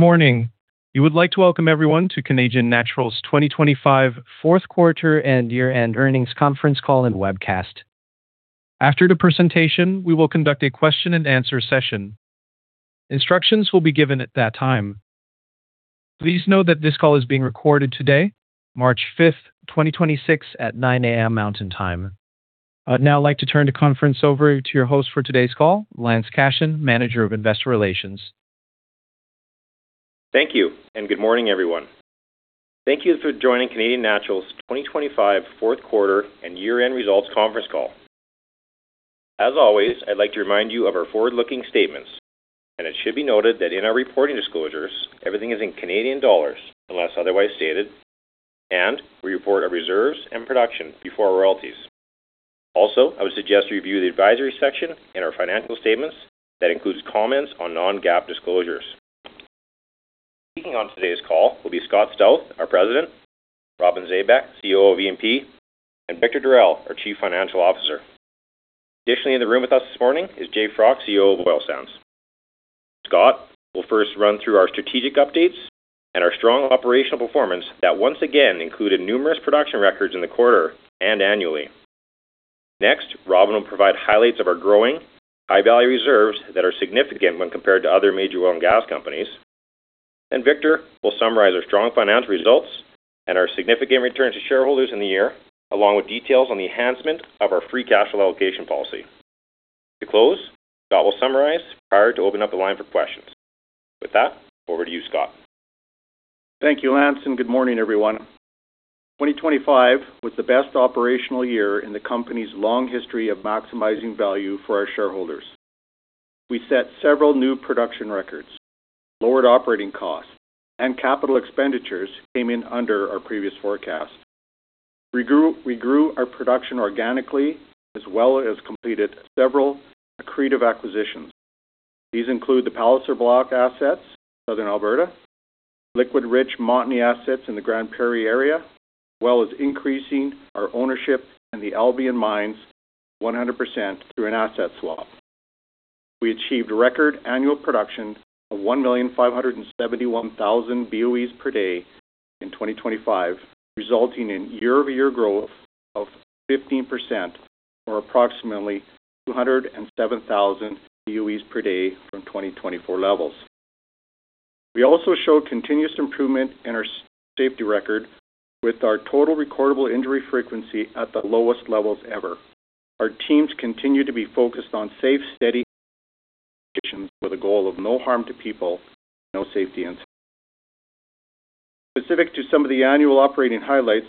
Morning. We would like to welcome everyone to Canadian Natural's 2025 4th quarter and year-end earnings conference call and webcast. After the presentation, we will conduct a question and answer session. Instructions will be given at that time. Please note that this call is being recorded today, March 5th, 2026, at 9:00 A.M. Mountain Time. I'd now like to turn the conference over to your host for today's call, Lance Goshin, Manager of Investor Relations. Thank you. Good morning, everyone. Thank you for joining Canadian Natural's 2025 fourth quarter and year-end results conference call. As always, I'd like to remind you of our forward-looking statements. It should be noted that in our reporting disclosures, everything is in Canadian dollars unless otherwise stated, and we report our reserves and production before royalties. I would suggest you review the advisory section in our financial statements. That includes comments on non-GAAP disclosures. Speaking on today's call will be Scott Stauth, our President, Robin S. Zabek, CEO of EMP, and Victor Darel, our Chief Financial Officer. In the room with us this morning is Jay Froc, CEO of Oil Sands. Scott will first run through our strategic updates and our strong operational performance that once again included numerous production records in the quarter and annually. Next, Robin will provide highlights of our growing high-value reserves that are significant when compared to other major oil and gas companies. Victor will summarize our strong financial results and our significant return to shareholders in the year, along with details on the enhancement of our free cash flow allocation policy. To close, Scott will summarize prior to opening up the line for questions. With that, over to you, Scott. Thank you, Lance, and good morning, everyone. 2025 was the best operational year in the company's long history of maximizing value for our shareholders. We set several new production records, lowered operating costs, and capital expenditures came in under our previous forecast. We grew our production organically as well as completed several accretive acquisitions. These include the Palliser Block assets, Southern Alberta, liquid-rich Montney assets in the Grande Prairie area, as well as increasing our ownership in the Albian mines 100% through an asset swap. We achieved record annual production of 1,571,000 BOEs per day in 2025, resulting in year-over-year growth of 15% or approximately 207,000 BOEs per day from 2024 levels. We also showed continuous improvement in our safety record with our total recordable injury frequency at the lowest levels ever. Our teams continue to be focused on safe, steady applications with a goal of no harm to people and no safety incidents. Specific to some of the annual operating highlights,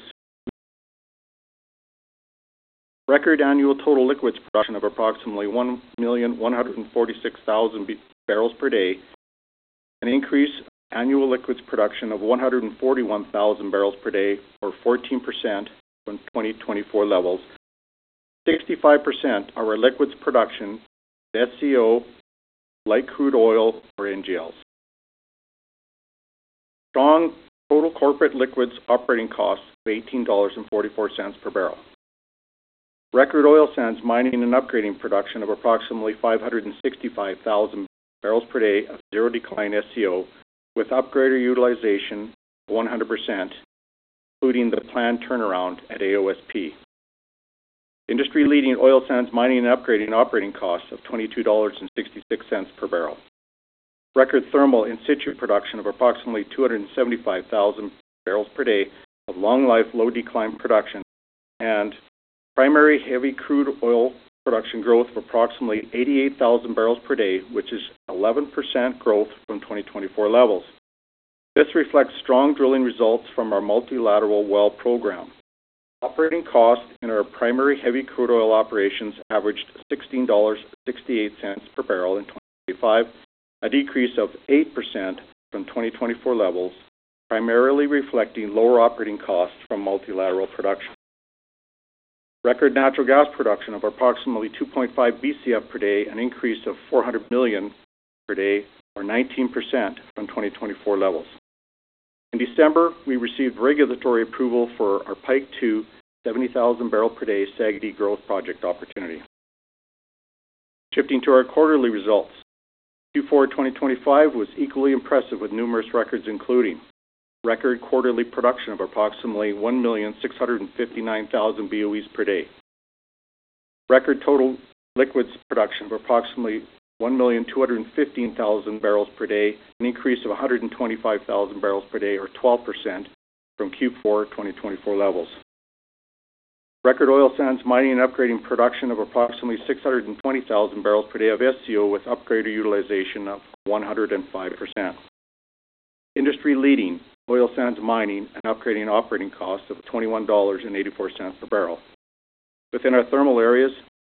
record annual total liquids production of approximately 1,146,000 barrels per day, an increase annual liquids production of 141,000 barrels per day or 14% from 2024 levels. 65% are our liquids production at SCO, light crude oil or NGLs. Strong total corporate liquids operating costs of 18.44 dollars per barrel. Record Oil Sands mining and upgrading production of approximately 565,000 barrels per day of zero decline SCO with upgrader utilization of 100%, including the planned turnaround at AOSP. Industry-leading Oil Sands mining and upgrading operating costs of 22.66 dollars per barrel. Record thermal in-situ production of approximately 275,000 barrels per day of long life, low decline production and primary heavy crude oil production growth of approximately 88,000 barrels per day, which is 11% growth from 2024 levels. This reflects strong drilling results from our multilateral well program. Operating costs in our primary heavy crude oil operations averaged 16.68 dollars per barrel in 2025, a decrease of 8% from 2024 levels, primarily reflecting lower operating costs from multilateral production. Record natural gas production of approximately 2.5 Bcf per day, an increase of 400 million per day or 19% from 2024 levels. In December, we received regulatory approval for our Pike 2 70,000 barrel per day SAGD Growth Project opportunity. Shifting to our quarterly results. Q4 2025 was equally impressive with numerous records, including record quarterly production of approximately 1,659,000 BOEs per day. Record total liquids production of approximately 1,215,000 barrels per day, an increase of 125,000 barrels per day or 12% from Q4 2024 levels. Record Oil Sands mining and upgrading production of approximately 620,000 barrels per day of SCO with upgrader utilization of 105%. Industry-leading Oil Sands mining and upgrading operating costs of 21.84 dollars per barrel. Within our thermal areas,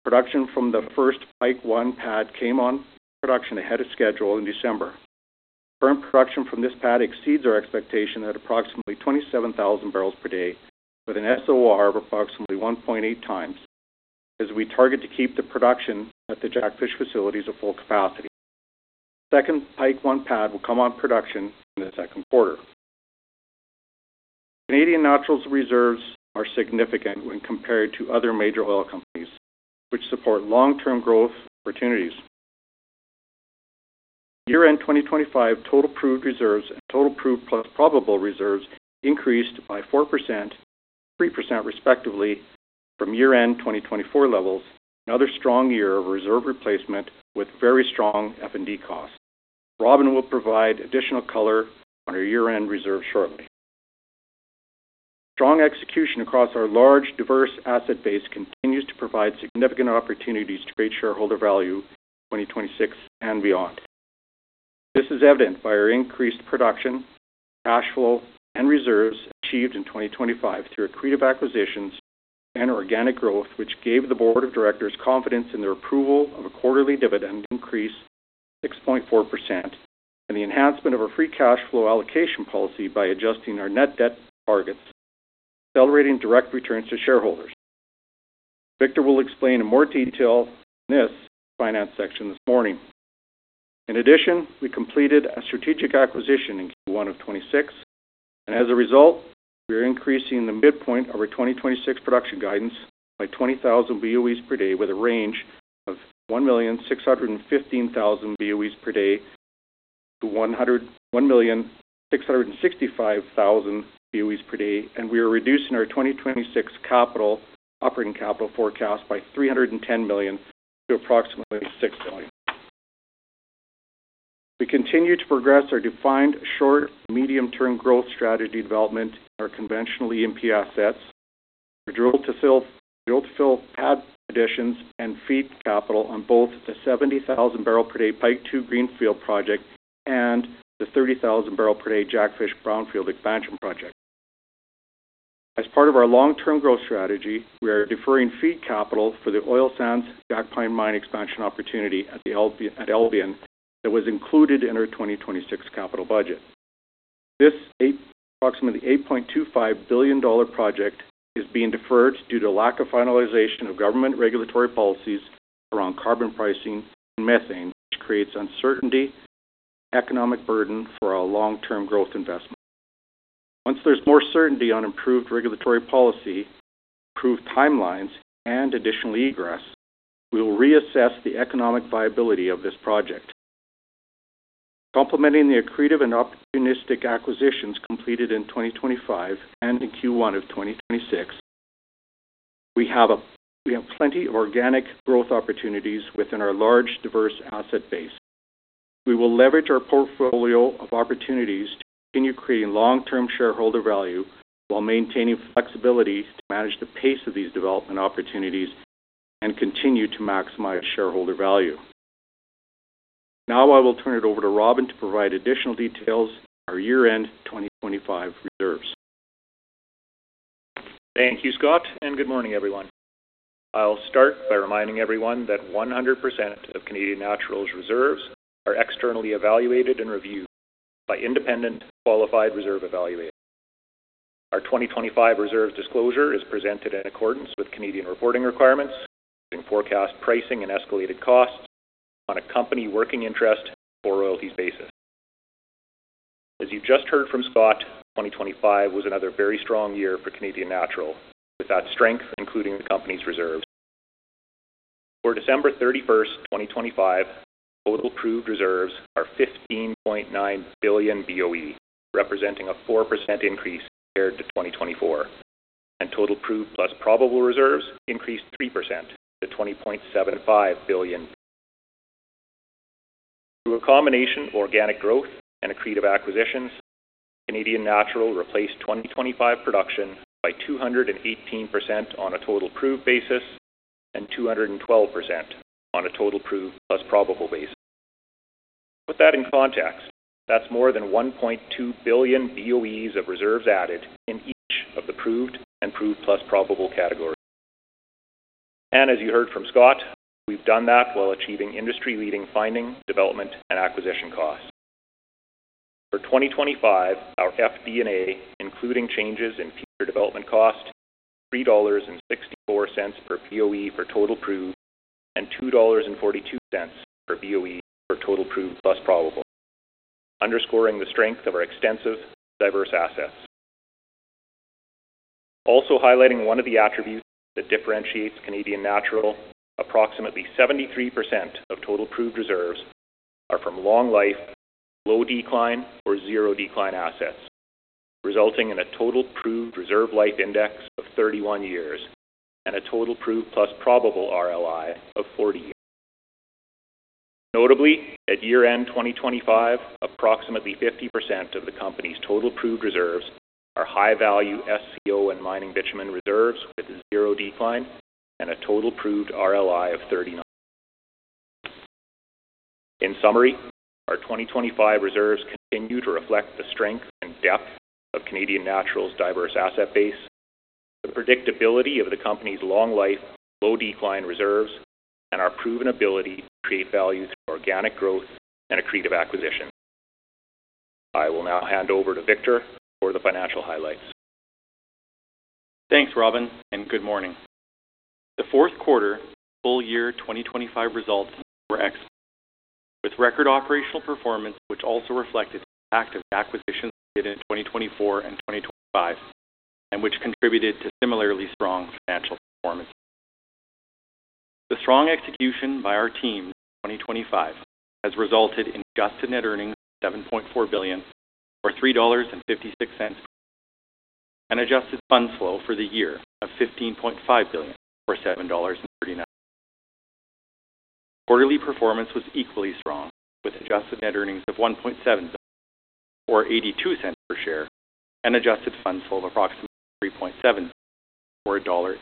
production from the first Pike one pad came on production ahead of schedule in December. Current production from this pad exceeds our expectation at approximately 27,000 barrels per day with an SOR of approximately 1.8x as we target to keep the production at the Jackfish facilities at full capacity. Second Pike one pad will come on production in the second quarter. Canadian Natural's reserves are significant when compared to other major oil companies, which support long-term growth opportunities. Year-end 2025 total proved reserves and total proved plus probable reserves increased by 4% and 3% respectively from year-end 2024 levels, another strong year of reserve replacement with very strong F&D costs. Robin will provide additional color on our year-end reserve shortly. Strong execution across our large, diverse asset base continues to provide significant opportunities to create shareholder value in 2026 and beyond. This is evident by our increased production, cash flow, and reserves achieved in 2025 through accretive acquisitions and organic growth, which gave the board of directors confidence in their approval of a quarterly dividend increase of 6.4% and the enhancement of our free cash flow allocation policy by adjusting our net debt targets, accelerating direct returns to shareholders. Victor will explain in more detail in this finance section this morning. In addition, we completed a strategic acquisition in Q1 of 2026, and as a result, we are increasing the midpoint of our 2026 production guidance by 20,000 BOEs per day with a range of 1,615,000 BOEs per day to 1,665,000 BOEs per day, and we are reducing our 2026 capital, operating capital forecast by 310 million to approximately 6 billion. We continue to progress our defined short and medium-term growth strategy development in our conventional EMP assets. Our drill to fill pad additions and FEED capital on both the 70,000 barrel per day Pike 2 Greenfield project and the 30,000 barrel per day Jackfish Brownfield expansion project. As part of our long-term growth strategy, we are deferring FEED capital for the Oil Sands Jackpine Mine expansion opportunity at Albian that was included in our 2026 capital budget. This approximately 8.25 billion dollar project is being deferred due to lack of finalization of government regulatory policies around carbon pricing and methane, which creates uncertainty and economic burden for our long-term growth investment. Once there's more certainty on improved regulatory policy, improved timelines, and additionally egress, we will reassess the economic viability of this project. Complementing the accretive and opportunistic acquisitions completed in 2025 and in Q1 of 2026, we have plenty of organic growth opportunities within our large, diverse asset base. We will leverage our portfolio of opportunities to continue creating long-term shareholder value while maintaining flexibility to manage the pace of these development opportunities and continue to maximize shareholder value. I will turn it over to Robin to provide additional details on our year-end 2025 reserves. Thank you, Scott. Good morning, everyone. I'll start by reminding everyone that 100% of Canadian Natural's reserves are externally evaluated and reviewed by independent qualified reserve evaluators. Our 2025 reserve disclosure is presented in accordance with Canadian reporting requirements using forecast pricing and escalated costs on a company working interest or royalties basis. As you just heard from Scott, 2025 was another very strong year for Canadian Natural, with that strength including the company's reserves. For December 31st, 2025, total proved reserves are 15.9 billion BOE, representing a 4% increase compared to 2024. Total proved plus probable reserves increased 3% to 20.75 billion. Through a combination of organic growth and accretive acquisitions, Canadian Natural replaced 2025 production by 218% on a total proved basis and 212% on a total proved plus probable basis. To put that in context, that's more than 1.2 billion BOEs of reserves added in each of the proved and proved plus probable categories. As you heard from Scott, we've done that while achieving industry-leading finding, development, and acquisition costs. For 2025, our FD&A, including changes in future development cost, was 3.64 per BOE for total proved and 2.42 dollars per BOE for total proved plus probable, underscoring the strength of our extensive diverse assets. Highlighting one of the attributes that differentiates Canadian Natural, approximately 73% of total proved reserves are from long life, low decline or zero decline assets, resulting in a total proved reserve life index of 31 years and a total proved plus probable RLI of 40 years. Notably, at year-end 2025, approximately 50% of the company's total proved reserves are high-value SCO and mining bitumen reserves with zero decline and a total proved RLI of 39. In summary, our 2025 reserves continue to reflect the strength and depth of Canadian Natural's diverse asset base, the predictability of the company's long life, low decline reserves, and our proven ability to create value through orga nic growth and accretive acquisitions. I will now hand over to Victor for the financial highlights. Thanks, Robin, and good morning. The fourth quarter full year 2025 results were excellent, with record operational performance, which also reflected the impact of the acquisitions we did in 2024 and 2025, and which contributed to similarly strong financial performance. The strong execution by our teams in 2025 has resulted in Adjusted Net Earnings of 7.4 billion or 3.56 dollars, and adjusted funds flow for the year of 15.5 billion or 7.39 dollars. Quarterly performance was equally strong, with Adjusted Net Earnings of 1.7 billion or 0.82 per share and adjusted funds flow of approximately 3.7 billion or CAD 1.82.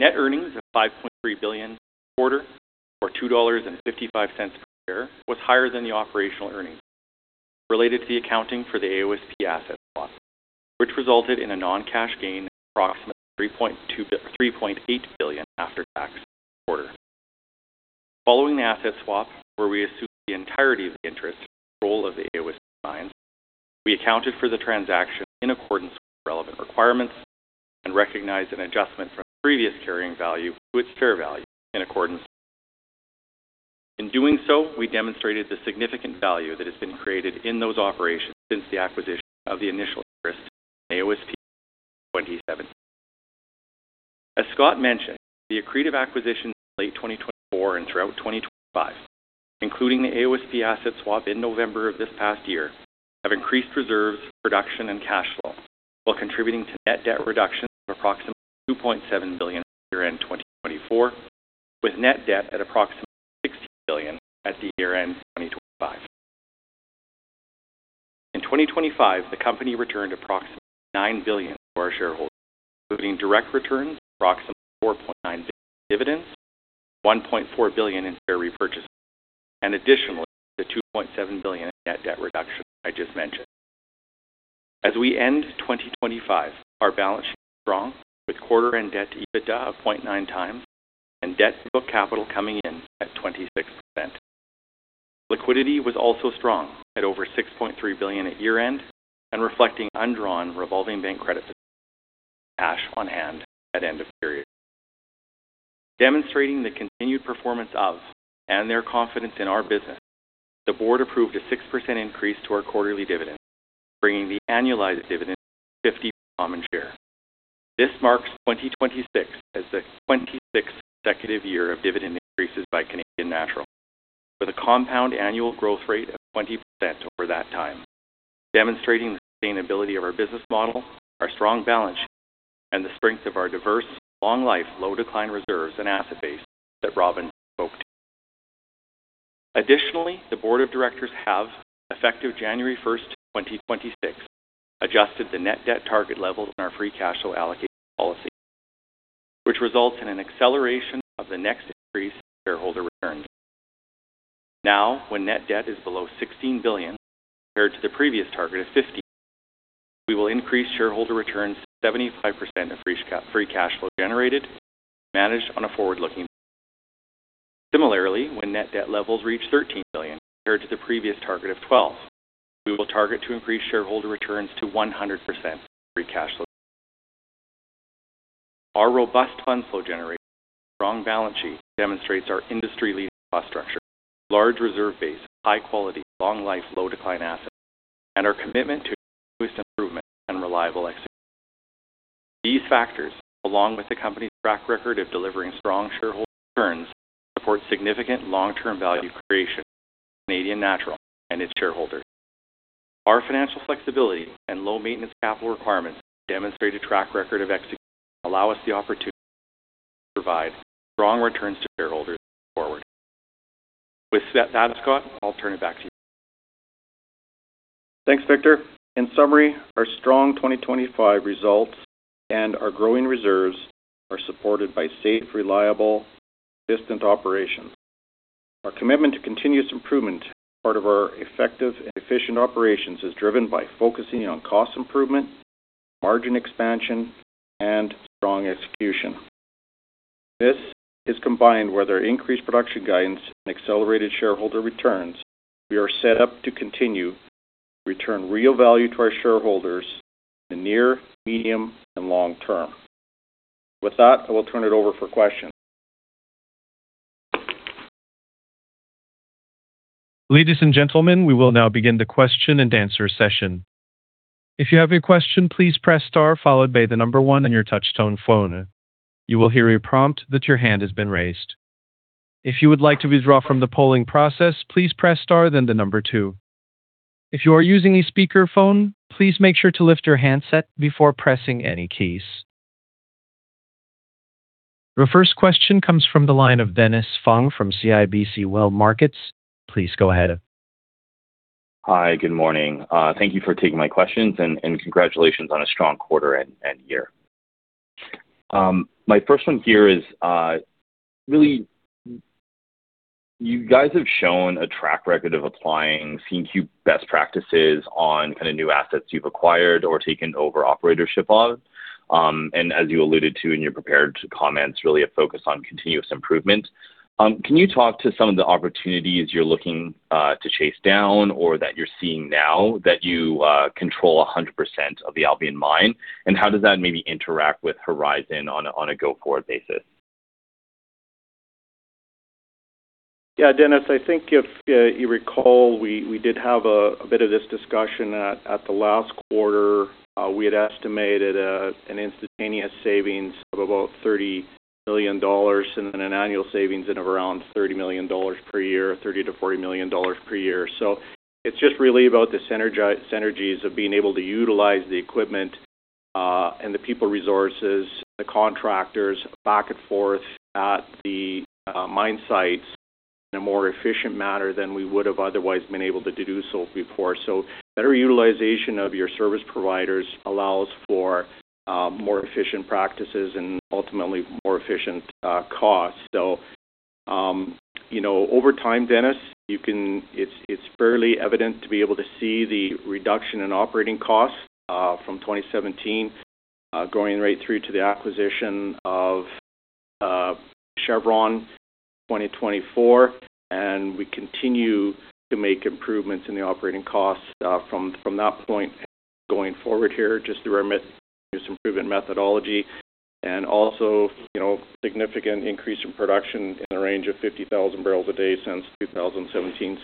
Net earnings of 5.3 billion this quarter or 2.55 dollars per share was higher than the operational earnings related to the accounting for the AOSP asset swap, which resulted in a non-cash gain of approximately 3.8 billion after tax this quarter. Following the asset swap, where we assumed the entirety of the interest and control of the AOSP mines, we accounted for the transaction in accordance with the relevant requirements and recognized an adjustment from the previous carrying value to its fair value in accordance with GAAP. In doing so, we demonstrated the significant value that has been created in those operations since the acquisition of the initial interest in AOSP in 2017. As Scott mentioned, the accretive acquisitions in late 2024 and throughout 2025, including the AOSP asset swap in November of this past year, have increased reserves, production and cash flow while contributing to net debt reduction of approximately 2.7 billion at year-end 2024, with net debt at approximately 16 billion at the year-end 2025. In 2025, the company returned approximately 9 billion to our shareholders, including direct returns of approximately 4.9 billion in dividends, 1.4 billion in share repurchases, and additionally the 2.7 billion in net debt reduction I just mentioned. As we end 2025, our balance sheet is strong, with quarter-end debt to EBITDA of 0.9x and debt to book capital coming in at 26%. Liquidity was also strong at over 6.3 billion at year-end, reflecting undrawn revolving bank credit facilities and cash on hand at end of period. Demonstrating the continued performance of and their confidence in our business, the board approved a 6% increase to our quarterly dividend, bringing the annualized dividend to 0.52 per common share. This marks 2026 as the 26th consecutive year of dividend increases by Canadian Natural, with a compound annual growth rate of 20% over that time, demonstrating the sustainability of our business model, our strong balance sheet, and the strength of our diverse, long-life, low-decline reserves and asset base that Robin spoke to. Additionally, the board of directors have, effective January 1st, 2026, adjusted the net debt target level in our free cash flow allocation policy, which results in an acceleration of the next increase to shareholder returns. When net debt is below 16 billion compared to the previous target of 15 billion, we will increase shareholder returns to 75% of free cash flow generated and managed on a forward-looking basis. When net debt levels reach 13 billion compared to the previous target of 12 billion, we will target to increase shareholder returns to 100% of free cash flow generated. Our robust funds flow generation and strong balance sheet demonstrates our industry-leading cost structure, large reserve base, high quality, long-life, low-decline assets, and our commitment to continuous improvement and reliable execution. These factors, along with the company's track record of delivering strong shareholder returns, support significant long-term value creation for Canadian Natural and its shareholders. Our financial flexibility and low maintenance capital requirements demonstrate a track record of execution and allow us the opportunity to provide strong returns to shareholders going forward. With that, Scott, I'll turn it back to you. Thanks, Victor. In summary, our strong 2025 results and our growing reserves are supported by safe, reliable and consistent operations. Our commitment to continuous improvement as part of our effective and efficient operations is driven by focusing on cost improvement, margin expansion, and strong execution. This is combined with our increased production guidance and accelerated shareholder returns. We are set up to continue to return real value to our shareholders in the near, medium, and long term. With that, I will turn it over for questions. Ladies and gentlemen, we will now begin the question-and-answer session. If you have a question, please press star followed by the one on your touch-tone phone. You will hear a prompt that your hand has been raised. If you would like to withdraw from the polling process, please press star, then the two. If you are using a speakerphone, please make sure to lift your handset before pressing any keys. The first question comes from the line of Dennis Fong from CIBC World Markets. Please go ahead. Hi. Good morning. Thank you for taking my questions and congratulations on a strong quarter and year. My first one here is really you guys have shown a track record of applying CQ best practices on kind of new assets you've acquired or taken over operatorship of As you alluded to in your prepared comments, really a focus on continuous improvement. Can you talk to some of the opportunities you're looking to chase down or that you're seeing now that you control 100% of the Albian mine? How does that maybe interact with Horizon on a go-forward basis? Dennis, I think if you recall, we did have a bit of this discussion at the last quarter. We had estimated an instantaneous savings of about 30 million dollars and an annual savings in around 30 million dollars per year, 30 million-40 million dollars per year. It's just really about the synergies of being able to utilize the equipment and the people resources, the contractors back and forth at the mine sites in a more efficient manner than we would have otherwise been able to do so before. Better utilization of your service providers allows for more efficient practices and ultimately more efficient costs. You know, over time, Dennis Fong, it's fairly evident to be able to see the reduction in operating costs from 2017 going right through to the acquisition of Chevron 2024, and we continue to make improvements in the operating costs from that point going forward here, just through our continuous improvement methodology and also, you know, significant increase in production in the range of 50,000 barrels a day since 2017.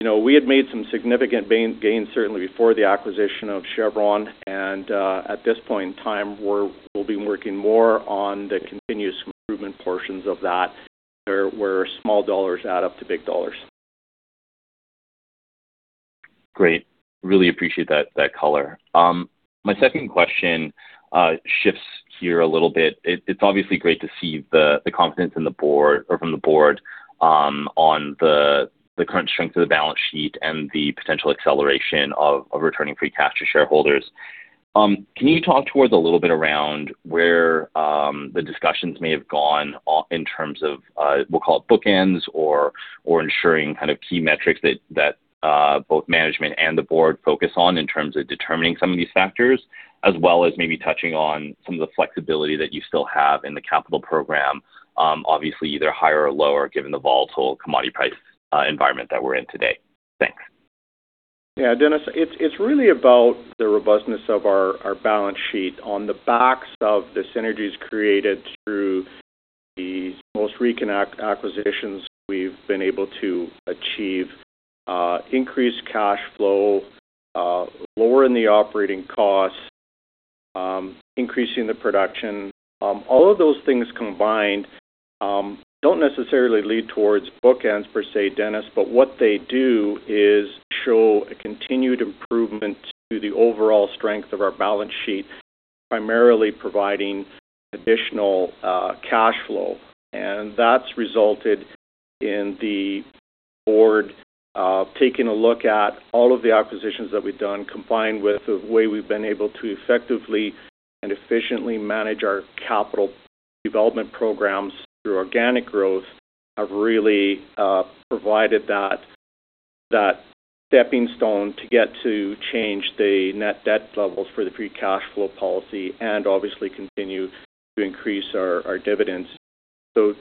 You know, we had made some significant gain certainly before the acquisition of Chevron, and at this point in time, we'll be working more on the continuous improvement portions of that where small dollars add up to big dollars. Great. Really appreciate that color. My second question shifts here a little bit. It's obviously great to see the confidence in the board or from the board on the current strength of the balance sheet and the potential acceleration of returning free cash to shareholders. Can you talk towards a little bit around where the discussions may have gone in terms of we'll call it bookends or ensuring kind of key metrics that both management and the board focus on in terms of determining some of these factors, as well as maybe touching on some of the flexibility that you still have in the capital program, obviously either higher or lower, given the volatile commodity price environment that we're in today. Thanks. Dennis, it's really about the robustness of our balance sheet. On the backs of the synergies created through these recent acquisitions, we've been able to achieve increased cash flow, lowering the operating costs, increasing the production. All of those things combined don't necessarily lead towards bookends per se, Dennis, but what they do is show a continued improvement to the overall strength of our balance sheet, primarily providing additional cash flow. That's resulted in the board taking a look at all of the acquisitions that we've done, combined with the way we've been able to effectively and efficiently manage our capital development programs through organic growth, have really provided that stepping stone to get to change the net debt levels for the free cash flow policy and obviously continue to increase our dividends.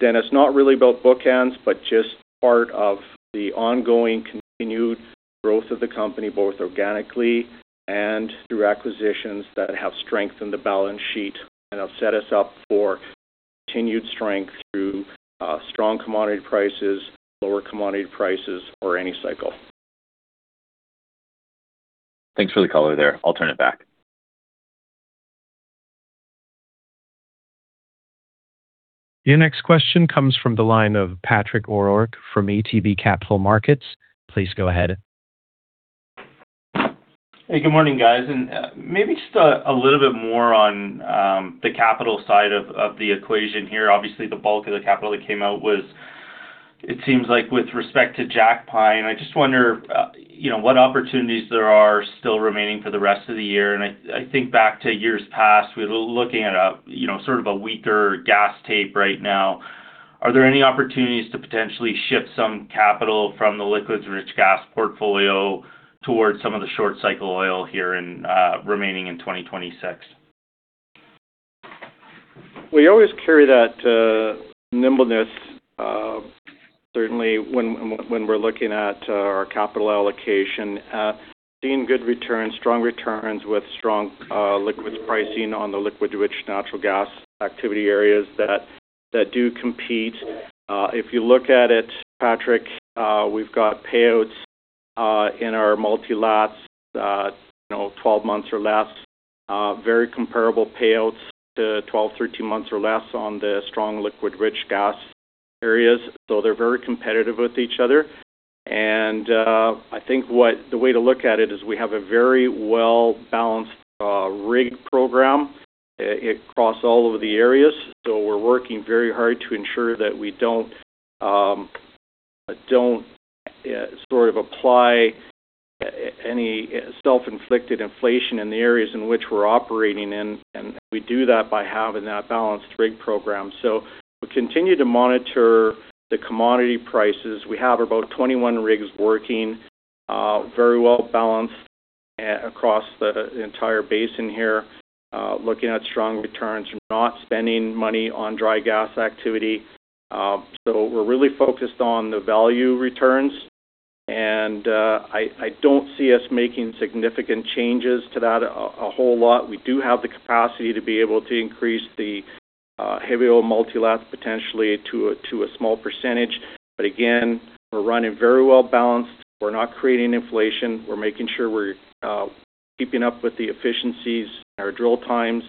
Dennis, not really about bookends, but just part of the ongoing continued growth of the company, both organically and through acquisitions that have strengthened the balance sheet and have set us up for continued strength through strong commodity prices, lower commodity prices or any cycle. Thanks for the color there. I'll turn it back. Your next question comes from the line of Patrick O'Rourke from ATB Capital Markets. Please go ahead. Hey, good morning, guys. Maybe just a little bit more on the capital side of the equation here. Obviously, the bulk of the capital that came out was, it seems like with respect to Jackpine. I just wonder, you know, what opportunities there are still remaining for the rest of the year. I think back to years past, we were looking at a, you know, sort of a weaker gas tape right now. Are there any opportunities to potentially shift some capital from the liquids rich gas portfolio towards some of the short cycle oil here remaining in 2026? We always carry that nimbleness, certainly when we're looking at our capital allocation. Seeing good returns, strong returns with strong liquids pricing on the liquid rich natural gas activity areas that do compete. If you look at it, Patrick, we've got payouts in our multilaterals, you know, 12 months or less, very comparable payouts to 12, 13 months or less on the strong liquid rich gas areas. They're very competitive with each other. I think what the way to look at it is we have a very well-balanced rig program across all of the areas. We're working very hard to ensure that we don't sort of apply any self-inflicted inflation in the areas in which we're operating in. We do that by having that balanced rig program. We continue to monitor the commodity prices. We have about 21 rigs working, very well balanced across the entire basin here. Looking at strong returns, we're not spending money on dry gas activity. We're really focused on the value returns. I don't see us making significant changes to that a whole lot. We do have the capacity to be able to increase the heavy oil multilateral potentially to a small percentage. Again, we're running very well balanced. We're not creating inflation. We're making sure we're keeping up with the efficiencies in our drill times.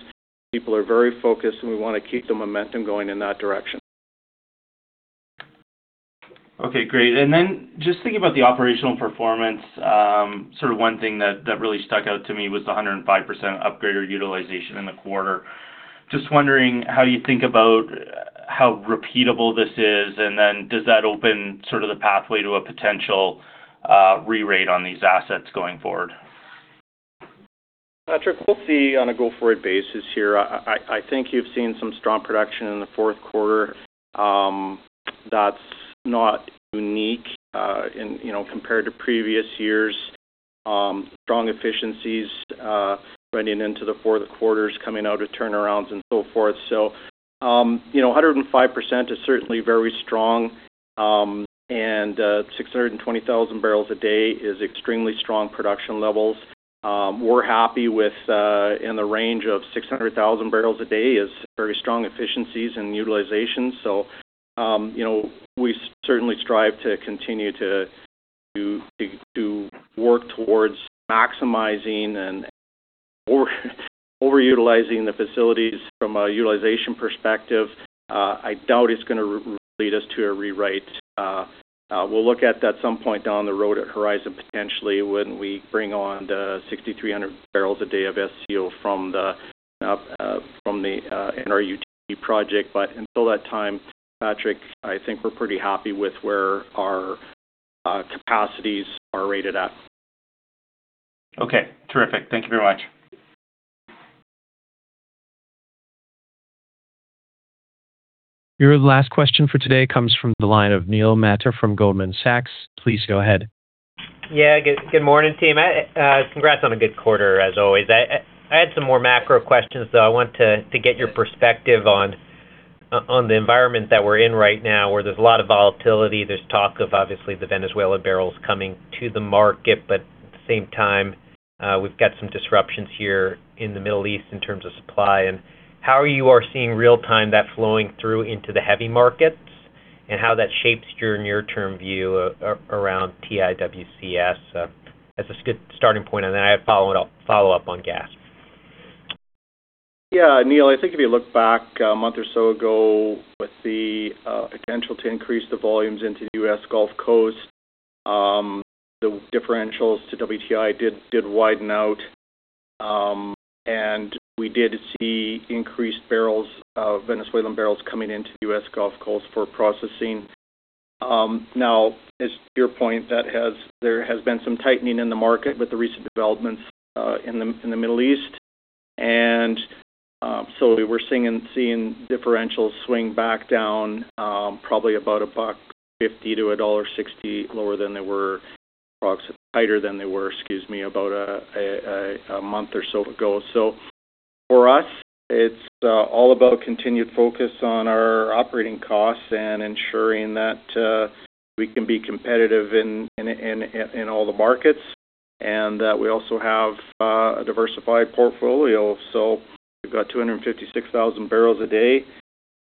People are very focused, and we wanna keep the momentum going in that direction. Okay, great. Just thinking about the operational performance, sort of one thing that really stuck out to me was the 105% upgrade or utilization in the quarter. Just wondering how you think about how repeatable this is, does that open sort of the pathway to a potential rerate on these assets going forward? Patrick, we'll see on a go-forward basis here. I think you've seen some strong production in the fourth quarter. That's not unique, in, you know, compared to previous years. Strong efficiencies, running into the fourth quarters, coming out of turnarounds and so forth. You know, 105% is certainly very strong. And 620,000 barrels a day is extremely strong production levels. We're happy with, in the range of 600,000 barrels a day is very strong efficiencies and utilization. You know, we certainly strive to continue to work towards maximizing and overutilizing the facilities from a utilization perspective. I doubt it's gonna lead us to a rewrite. We'll look at that some point down the road at Horizon, potentially when we bring on the 6,300 barrels a day of SCO from the NRU project. Until that time, Patrick, I think we're pretty happy with where our capacities are rated at. Okay, terrific. Thank you very much. Your last question for today comes from the line of Neil Mehta from Goldman Sachs. Please go ahead. Yeah. Good morning, team. Congrats on a good quarter as always. I had some more macro questions, so I want to get your perspective on the environment that we're in right now, where there's a lot of volatility. There's talk of, obviously, the Venezuela barrels coming to the market. At the same time, we've got some disruptions here in the Middle East in terms of supply. How you are seeing real-time that flowing through into the heavy markets and how that shapes your near-term view around TIWCs? That's a good starting point, and then I have follow-up on gas. Yeah. Neil Mehta, I think if you look back a month or so ago with the potential to increase the volumes into the US Gulf Coast, the differentials to WTI did widen out. We did see increased barrels of Venezuelan barrels coming into the US Gulf Coast for processing. Now as to your point, there has been some tightening in the market with the recent developments in the Middle East. We're seeing differentials swing back down, probably about $1.50-1.60 lower than they were. Approximately tighter than they were, excuse me, about a month or so ago. For us, it's all about continued focus on our operating costs and ensuring that we can be competitive in all the markets, and that we also have a diversified portfolio. We've got 256,000 barrels a day,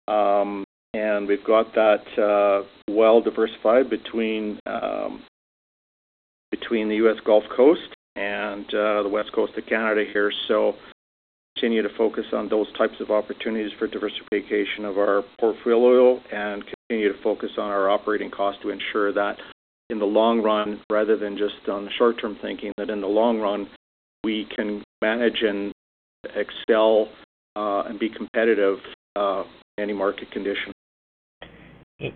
and we've got that well diversified between the U.S. Gulf Coast and the West Coast of Canada here. Continue to focus on those types of opportunities for diversification of our portfolio and continue to focus on our operating cost to ensure that in the long run, rather than just on the short-term thinking, that in the long run, we can manage and excel and be competitive in any market condition. To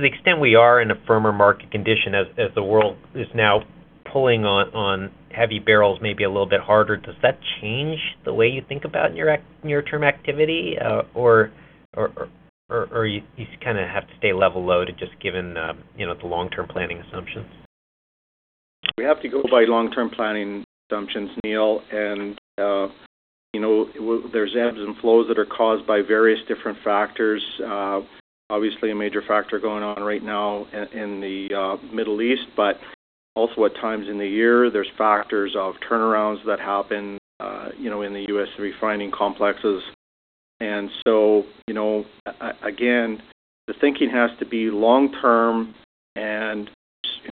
the extent we are in a firmer market condition as the world is now pulling on heavy barrels maybe a little bit harder, does that change the way you think about your near-term activity, or you kinda have to stay level loaded just given the, you know, the long-term planning assumptions? We have to go by long-term planning assumptions, Neil. You know, there's ebbs and flows that are caused by various different factors. Obviously a major factor going on right now in the Middle East, but also what times in the year, there's factors of turnarounds that happen, you know, in the U.S. refining complexes. You know, again, the thinking has to be long-term and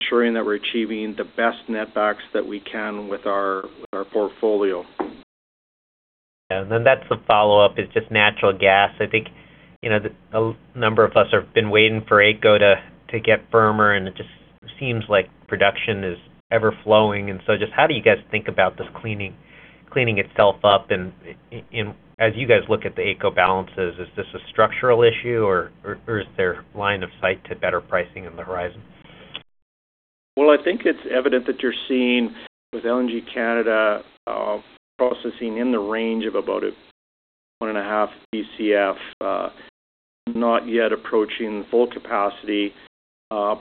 ensuring that we're achieving the best net backs that we can with our portfolio. Yeah. That's the follow-up is just natural gas. I think, you know, a number of us have been waiting for AECO to get firmer, and it just seems like production is ever flowing. Just how do you guys think about this cleaning itself up? As you guys look at the AECO balances, is this a structural issue or is there line of sight to better pricing on the horizon? Well, I think it's evident that you're seeing with LNG Canada, processing in the range of about 1.5 Bcf, not yet approaching full capacity,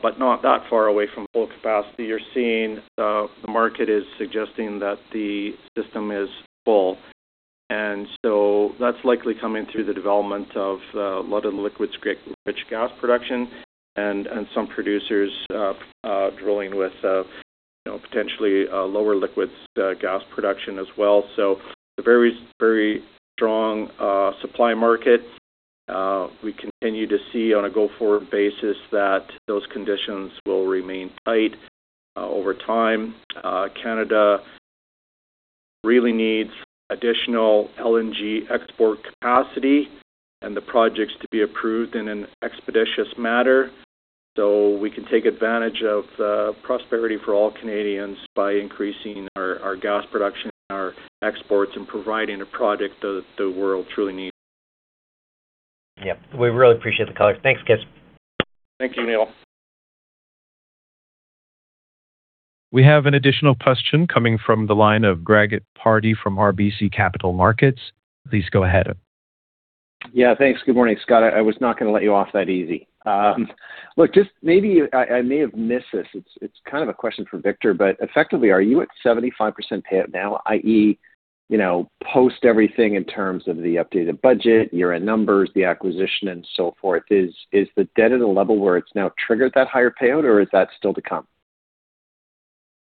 but not that far away from full capacity. You're seeing the market is suggesting that the system is full. That's likely coming through the development of, a lot of liquids rich gas production and some producers, drilling with, you know, potentially, lower liquids, gas production as well. A very strong, supply market. We continue to see on a go-forward basis that those conditions will remain tight, over time. Canada really needs additional LNG export capacity and the projects to be approved in an expeditious matter, so we can take advantage of prosperity for all Canadians by increasing our gas production and our exports, and providing a product the world truly needs. Yeah. We really appreciate the color. Thanks, guys. Thank you, Neil. We have an additional question coming from the line of Greg Pardy from RBC Capital Markets. Please go ahead. Yeah. Thanks. Good morning, Scott. I was not gonna let you off that easy. Look, just maybe I may have missed this. It's, it's kind of a question for Victor, but effectively, are you at 75% payout now? I.e., you know, post everything in terms of the updated budget, year-end numbers, the acquisition and so forth. Is the debt at a level where it's now triggered that higher payout or is that still to come?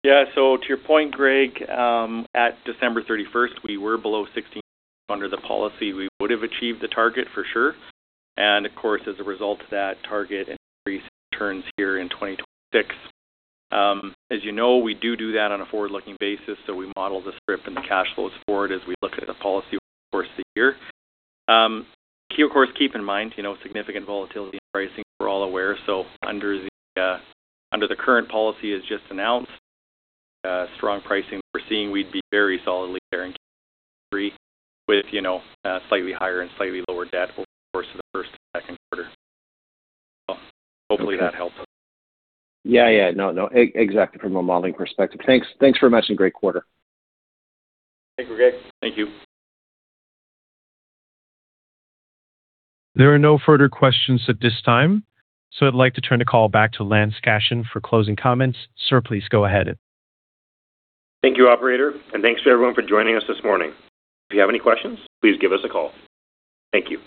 Yeah. To your point, Greg, at December 31st, we were below 16. Under the policy, we would have achieved the target for sure. Of course, as a result of that target increase returns here in 2026. As you know, we do that on a forward-looking basis. We model the script and the cash flows for it as we look at the policy over the course of the year. Of course, keep in mind, you know, significant volatility in pricing, we're all aware. Under the current policy as just announced, strong pricing we're seeing we'd be very solidly there in Q3 with, you know, slightly higher and slightly lower debt over the course of the first and second quarter. Hopefully that helps. Yeah. No. Exactly from a modeling perspective. Thanks very much. Great quarter. Thanks, Greg. Thank you. There are no further questions at this time, so I'd like to turn the call back to Lance Goshin for closing comments. Sir, please go ahead. Thank you, operator, and thanks to everyone for joining us this morning. If you have any questions, please give us a call. Thank you.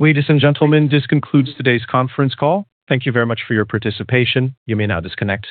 Ladies and gentlemen, this concludes today's conference call. Thank you very much for your participation. You may now disconnect.